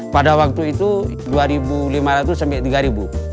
pada waktu itu dua lima ratus sampai rp tiga